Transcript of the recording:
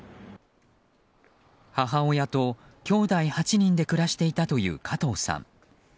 母親ときょうだい８人で暮らしていたという加藤さん。